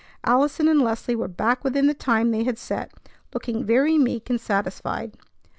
Allison and Leslie were back within the time they had set, looking very meek and satisfied.